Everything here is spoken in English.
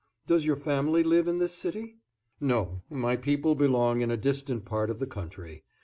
Does your family live in this city?" "No; my people belong to a distant part of the country.